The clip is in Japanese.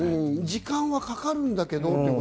時間はかかるんだけど。